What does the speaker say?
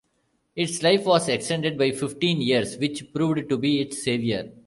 Its life was extended by fifteen years, which proved to be its saviour.